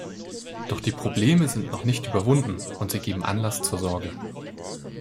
Doch die Probleme sind noch nicht überwunden, und sie geben Anlass zur Sorge.